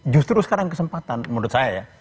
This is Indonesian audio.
justru sekarang kesempatan menurut saya ya